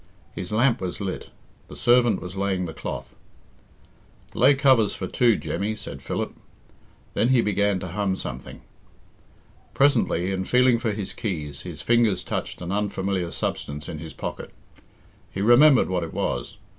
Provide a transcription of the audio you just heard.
His lamp was lit. The servant was laying the cloth. "Lay covers for two, Jemmy," said Philip. Then he began to hum something. Presently, in feeling for his keys, his fingers touched an unfamiliar substance in his pocket. He remembered what it was.